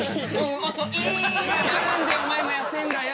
おそい何でお前もやってんだよ！